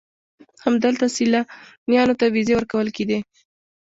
همدلته سیلانیانو ته ویزې ورکول کېدې.